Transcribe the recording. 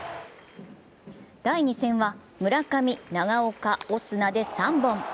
第２戦は村上・長岡・オスナで３本。